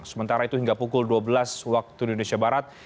sementara itu hingga pukul dua belas waktu indonesia barat